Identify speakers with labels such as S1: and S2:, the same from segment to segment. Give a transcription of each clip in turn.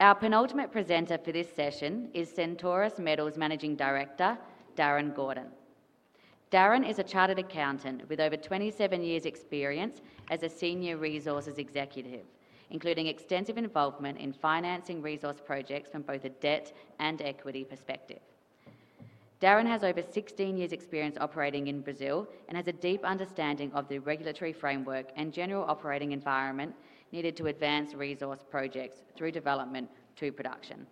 S1: Our penultimate presenter for this session is Centaurus Metals Managing Director Darren Gordon. Darren is a Chartered Accountant with over 27 years' experience as a Senior Resources Executive, including extensive involvement in financing resource projects from both a debt and equity perspective. Darren has over 16 years' experience operating in Brazil and has a deep understanding of the regulatory framework and general operating environment needed to advance resource projects through development to production.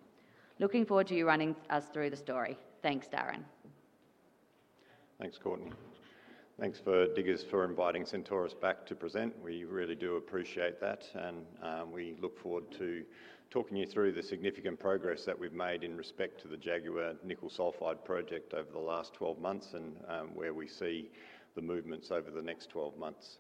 S1: Looking forward to you running us through the story. Thanks, Darren.
S2: Thanks, [Gonya]. Thanks to Diggers for inviting Centaurus back to present. We really do appreciate that, and we look forward to talking you through the significant progress that we've made in respect to the Jaguar Nickel Sulphide Project over the last 12 months and where we see the movements over the next 12 months.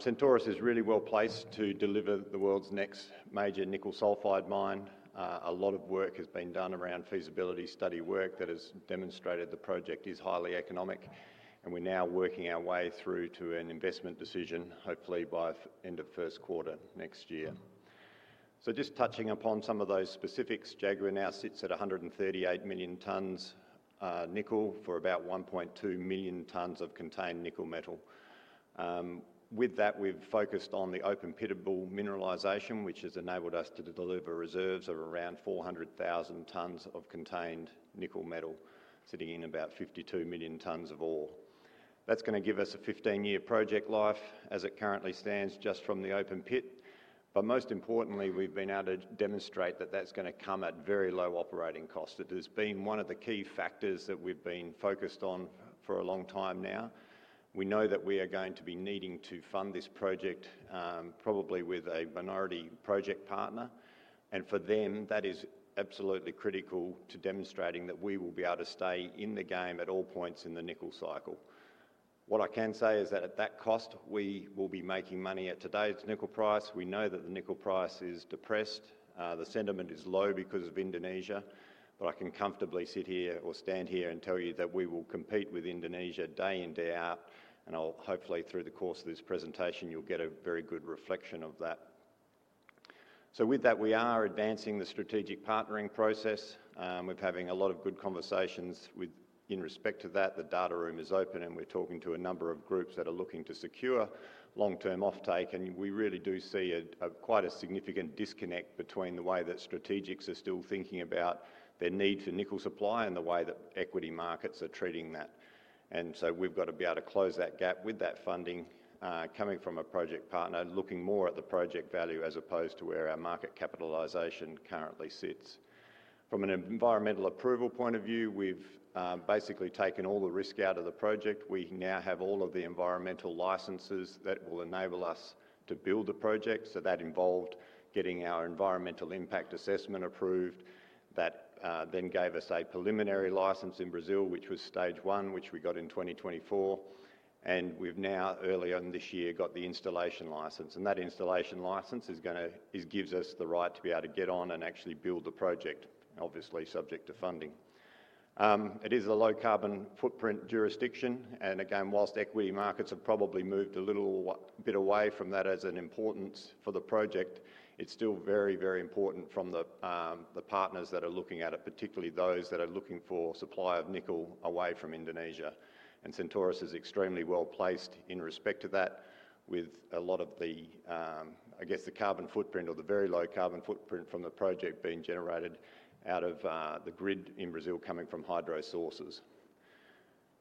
S2: Centaurus is really well placed to deliver the world's next major nickel sulphide mine. A lot of work has been done around feasibility study work that has demonstrated the project is highly economic, and we're now working our way through to an investment decision, hopefully by the end of the first quarter next year. Just touching upon some of those specifics, Jaguar now sits at 138 million tons of nickel for about 1.2 million tons of contained nickel metal. With that, we've focused on the open-pit mineralization, which has enabled us to deliver reserves of around 400,000 tons of contained nickel metal, sitting in about 52 million tons of ore. That's going to give us a 15-year project life as it currently stands just from the open pit. Most importantly, we've been able to demonstrate that that's going to come at very low operating costs. It has been one of the key factors that we've been focused on for a long time now. We know that we are going to be needing to fund this project, probably with a minority project partner, and for them, that is absolutely critical to demonstrating that we will be able to stay in the game at all points in the nickel cycle. What I can say is that at that cost, we will be making money at today's nickel price. We know that the nickel price is depressed. The sentiment is low because of Indonesia. I can comfortably sit here or stand here and tell you that we will compete with Indonesia day in, day out, and hopefully through the course of this presentation, you'll get a very good reflection of that. We are advancing the strategic partnering process. We're having a lot of good conversations in respect to that. The data room is open, and we're talking to a number of groups that are looking to secure long-term offtake, and we really do see quite a significant disconnect between the way that strategics are still thinking about their need for nickel supply and the way that equity markets are treating that. We've got to be able to close that gap with that funding coming from a project partner, looking more at the project value as opposed to where our market capitalization currently sits. From an environmental approval point of view, we've basically taken all the risk out of the project. We now have all of the environmental licenses that will enable us to build the project. That involved getting our environmental impact assessment approved. That then gave us a preliminary license in Brazil, which was stage one, which we got in 2024. We've now, early on this year, got the installation license, and that installation license gives us the right to be able to get on and actually build the project, obviously subject to funding. It is a low-carbon footprint jurisdiction, and again, whilst equity markets have probably moved a little bit away from that as an importance for the project, it's still very, very important from the partners that are looking at it, particularly those that are looking for supply of nickel away from Indonesia. Centaurus is extremely well-placed in respect to that, with a lot of the, I guess, the carbon footprint or the very low carbon footprint from the project being generated out of the grid in Brazil coming from hydro sources.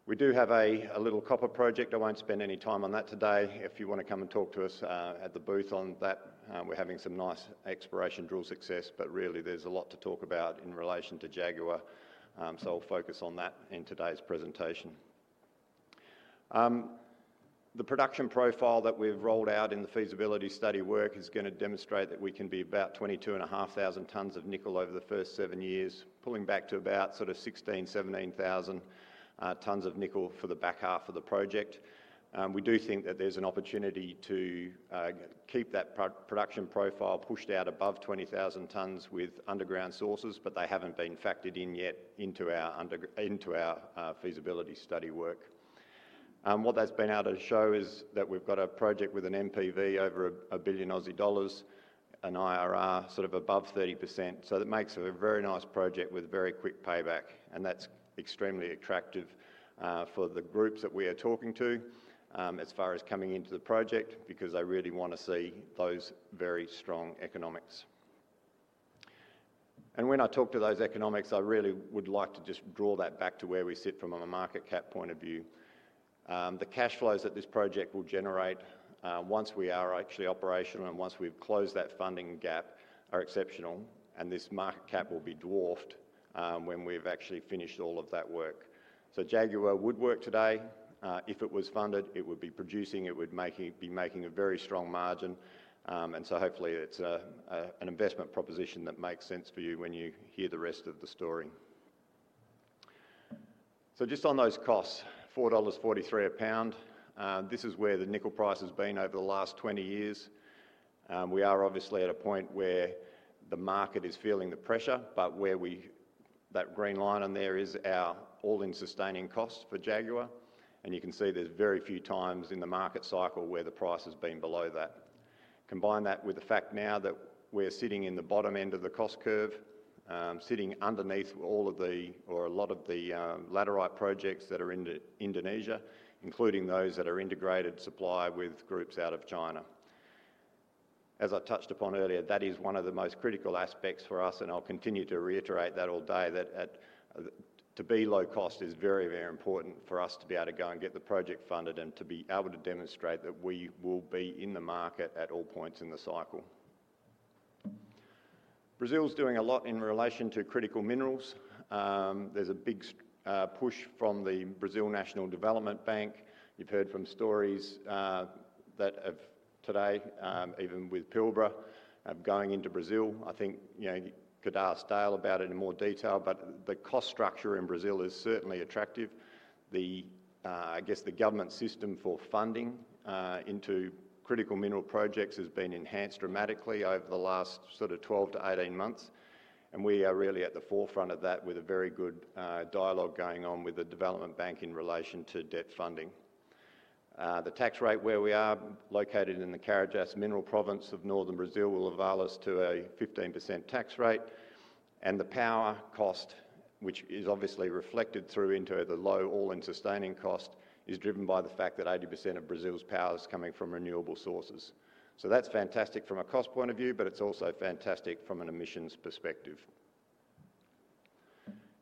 S2: We do have a little copper project. I won't spend any time on that today. If you want to come and talk to us at the booth on that, we're having some nice exploration drill success, but really there's a lot to talk about in relation to Jaguar, so I'll focus on that in today's presentation. The production profile that we've rolled out in the feasibility study work is going to demonstrate that we can be about 22,500 tons of nickel over the first seven years, pulling back to about sort of 16,000 tons, 17,000 tons of nickel for the back half of the project. We do think that there's an opportunity to keep that production profile pushed out above 20,000 tons with underground sources, but they haven't been factored in yet into our feasibility study work. What that's been able to show is that we've got a project with an NPV over a $1 billion, an IRR sort of above 30%. That makes it a very nice project with very quick payback, and that's extremely attractive for the groups that we are talking to as far as coming into the project because they really want to see those very strong economics. When I talk to those economics, I really would like to just draw that back to where we sit from a market cap point of view. The cash flows that this project will generate once we are actually operational and once we've closed that funding gap are exceptional, and this market cap will be dwarfed when we've actually finished all of that work. Jaguar would work today. If it was funded, it would be producing. It would be making a very strong margin. Hopefully it's an investment proposition that makes sense for you when you hear the rest of the story. Just on those costs, $4.43 a pound, this is where the nickel price has been over the last 20 years. We are obviously at a point where the market is feeling the pressure, but where that green line on there is our all-in sustaining cost for Jaguar. You can see there's very few times in the market cycle where the price has been below that. Combine that with the fact now that we're sitting in the bottom end of the cost curve, sitting underneath all of the or a lot of the laterite projects that are in Indonesia, including those that are integrated supply with groups out of China. As I touched upon earlier, that is one of the most critical aspects for us, and I'll continue to reiterate that all day that to be low cost is very, very important for us to be able to go and get the project funded and to be able to demonstrate that we will be in the market at all points in the cycle. Brazil's doing a lot in relation to critical minerals. There's a big push from the Brazil National Development Bank. You've heard from stories that have today, even with Pilbara going into Brazil. I think you know you could ask Dale about it in more detail, but the cost structure in Brazil is certainly attractive. The government system for funding into critical mineral projects has been enhanced dramatically over the last sort of 12 months-18 months, and we are really at the forefront of that with a very good dialogue going on with the development bank in relation to debt funding. The tax rate where we are located in the Carajás mineral province of northern Brazil will allow us to a 15% tax rate, and the power cost, which is obviously reflected through into the low all-in sustaining cost, is driven by the fact that 80% of Brazil's power is coming from renewable sources. That's fantastic from a cost point of view, but it's also fantastic from an emissions perspective.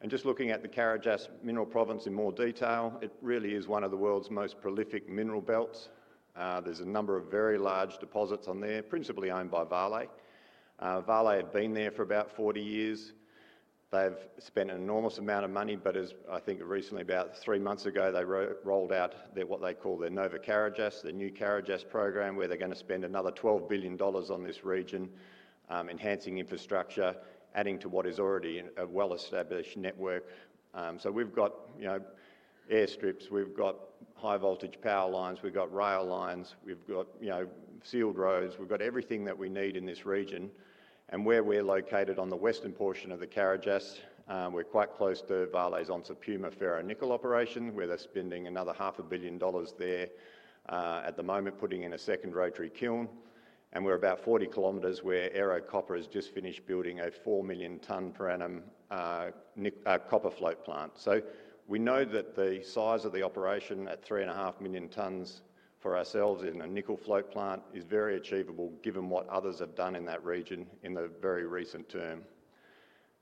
S2: Just looking at the Carajás mineral province in more detail, it really is one of the world's most prolific mineral belts. There's a number of very large deposits on there, principally owned by Vale. Vale had been there for about 40 years. They've spent an enormous amount of money, but I think recently, about three months ago, they rolled out what they call their Nova Carajás, their new Carajás program, where they're going to spend another $12 billion on this region, enhancing infrastructure, adding to what is already a well-established network. We've got airstrips, we've got high-voltage power lines, we've got rail lines, we've got sealed roads, we've got everything that we need in this region. Where we're located on the western portion of the Carajás, we're quite close to Vale's Onça Puma Ferronickel operation, where they're spending another $500 million there at the moment, putting in a second rotary kiln. We're about 40 km from where Ero Copper has just finished building a 4 million-ton per annum copper float plant. We know that the size of the operation at 3.5 million tons for ourselves in a nickel float plant is very achievable given what others have done in that region in the very recent term.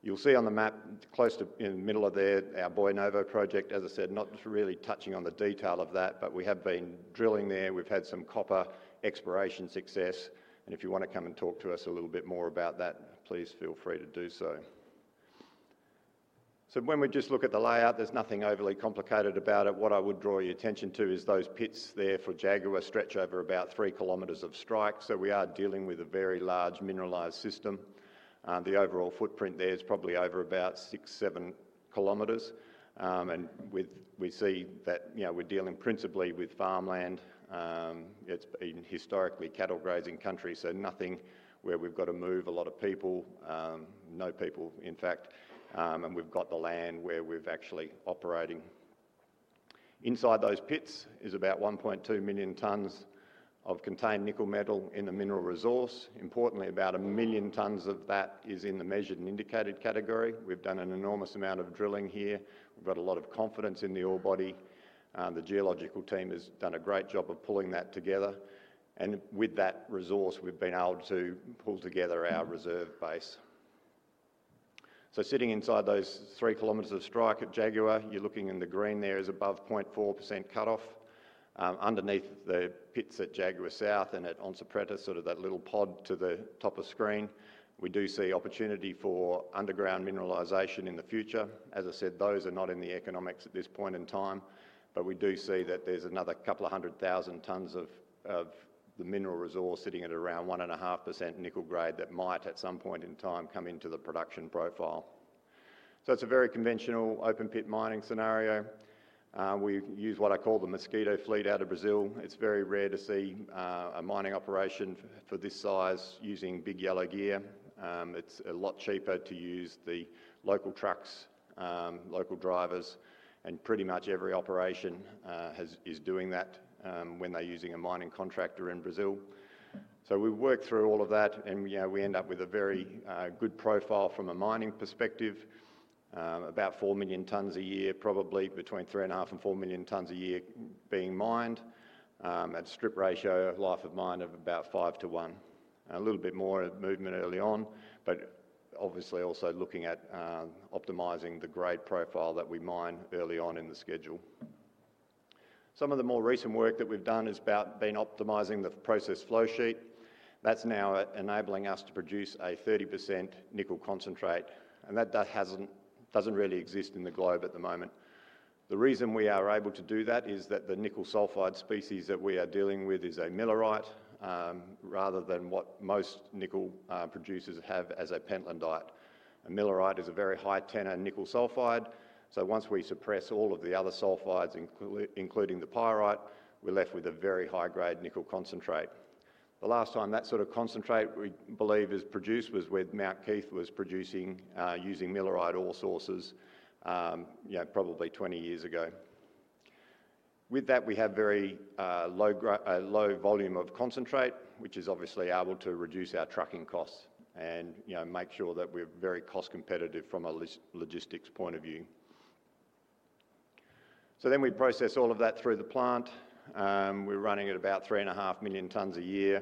S2: You'll see on the map close to in the middle of there, our Boi Novo project, as I said, not really touching on the detail of that, but we have been drilling there. We've had some copper exploration success. If you want to come and talk to us a little bit more about that, please feel free to do so. When we just look at the layout, there's nothing overly complicated about it. What I would draw your attention to is those pits there for Jaguar stretch over about three kilometers of strike. We are dealing with a very large mineralized system. The overall footprint there is probably over about 6 km, 7km. We see that we're dealing principally with farmland. It's been historically cattle-grazing country, so nothing where we've got to move a lot of people, no people, in fact. We've got the land where we're actually operating. Inside those pits is about 1.2 million tons of contained nickel metal in the mineral resource. Importantly, about a million tons of that is in the measured and indicated category. We've done an enormous amount of drilling here. We've got a lot of confidence in the ore body. The geological team has done a great job of pulling that together. With that resource, we've been able to pull together our reserve base. Sitting inside those three kilometers of strike at Jaguar, you're looking in the green there is above 0.4% cutoff. Underneath the pits at Jaguar South and at Onça Preta, sort of that little pod to the top of screen, we do see opportunity for underground mineralization in the future. As I said, those are not in the economics at this point in time, but we do see that there's another couple of hundred thousand tons of the mineral resource sitting at around 1.5% nickel grade that might at some point in time come into the production profile. It's a very conventional open pit mining scenario. We use what I call the mosquito fleet out of Brazil. It's very rare to see a mining operation of this size using big yellow gear. It's a lot cheaper to use the local trucks, local drivers, and pretty much every operation is doing that when they're using a mining contractor in Brazil. We work through all of that and we end up with a very good profile from a mining perspective, about 4 million tons a year, probably between 3.5 million tons and 4 million tons a year being mined. That strip ratio life of mine of about five to one, a little bit more movement early on, but obviously also looking at optimizing the grade profile that we mine early on in the schedule. Some of the more recent work that we've done has been optimizing the process flow sheet. That's now enabling us to produce a 30% nickel concentrate, and that doesn't really exist in the globe at the moment. The reason we are able to do that is that the nickel sulphide species that we are dealing with is a millerite rather than what most nickel producers have as a pentlandite. A millerite is a very high tenor nickel sulphide. Once we suppress all of the other sulphides, including the pyrite, we're left with a very high-grade nickel concentrate. The last time that sort of concentrate we believe was produced was with Mount Keith, producing using millerite ore sources probably 20 years ago. With that, we have a very low volume of concentrate, which is obviously able to reduce our trucking costs and make sure that we're very cost-competitive from a logistics point of view. We process all of that through the plant. We're running at about 3.5 million tons a year.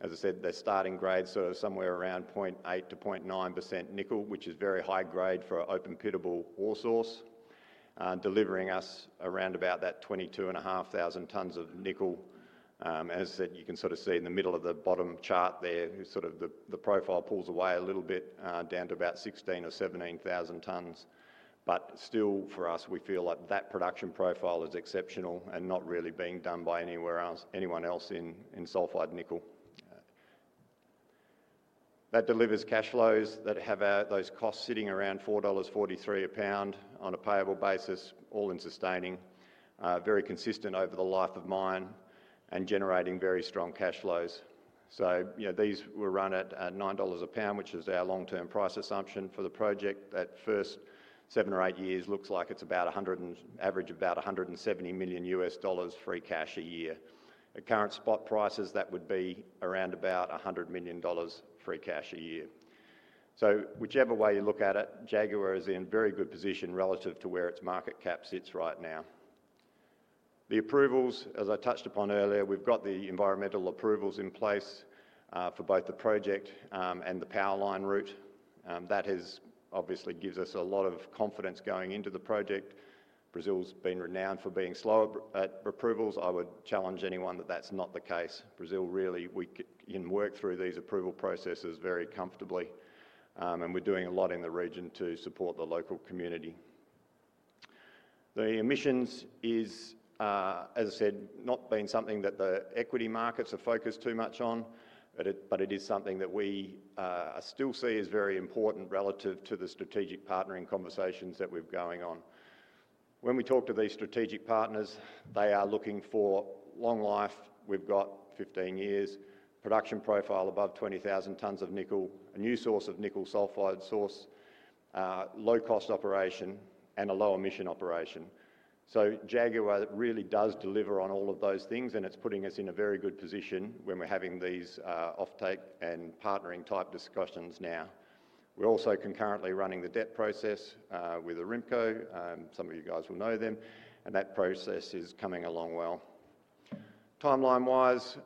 S2: As I said, they're starting grade, so somewhere around 0.8%-0.9% nickel, which is very high grade for an open pitable ore source, delivering us around about that 22,500 tons of nickel. As I said, you can sort of see in the middle of the bottom chart there, sort of the profile pulls away a little bit down to about 16,000 tons or 17,000 tons. For us, we feel like that production profile is exceptional and not really being done by anyone else in sulphide nickel. That delivers cash flows that have those costs sitting around $4.43 a pound on a payable basis, all-in sustaining, very consistent over the life of mine and generating very strong cash flows. These were run at $9 a pound, which is our long-term price assumption for the project. That first seven or eight years looks like it's about an average of about $170 million free cash a year. At current spot prices, that would be around about $100 million free cash a year. Whichever way you look at it, Jaguar is in a very good position relative to where its market cap sits right now. The approvals, as I touched upon earlier, we've got the environmental approvals in place for both the project and the power line route. That obviously gives us a lot of confidence going into the project. Brazil's been renowned for being slow at approvals. I would challenge anyone that that's not the case. Brazil really, we can work through these approval processes very comfortably, and we're doing a lot in the region to support the local community. The emissions is, as I said, not been something that the equity markets have focused too much on, but it is something that we still see as very important relative to the strategic partnering conversations that we're going on. When we talk to these strategic partners, they are looking for long life. We've got 15 years, production profile above 20,000 tons of nickel, a new source of nickel sulphide source, low-cost operation, and a low-emission operation. Jaguar really does deliver on all of those things, and it's putting us in a very good position when we're having these offtake and partnering type discussions now. We're also concurrently running the debt process with Aramco. Some of you guys will know them, and that process is coming along well. Timeline-wise,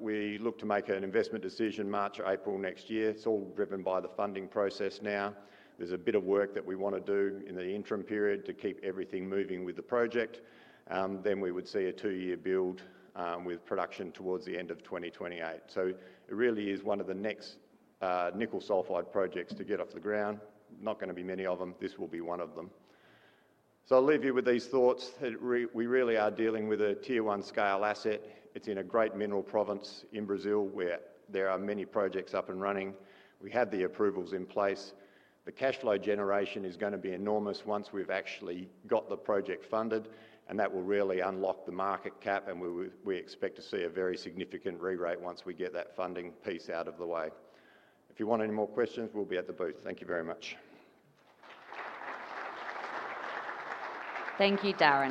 S2: we look to make an investment decision March or April next year. It's all driven by the funding process now. There's a bit of work that we want to do in the interim period to keep everything moving with the project. We would see a two-year build with production towards the end of 2028. It really is one of the next nickel sulphide projects to get off the ground. Not going to be many of them. This will be one of them. I'll leave you with these thoughts. We really are dealing with a tier-one scale asset. It's in a great mineral province in Brazil where there are many projects up and running. We have the approvals in place. The cash flow generation is going to be enormous once we've actually got the project funded, and that will really unlock the market cap, and we expect to see a very significant re-rate once we get that funding piece out of the way. If you want any more questions, we'll be at the booth. Thank you very much.
S1: Thank you, Darren.